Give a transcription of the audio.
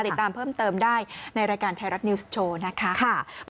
ติดตามเพิ่มเติมได้ในรายการไทยรัฐนิวส์โชว์นะคะ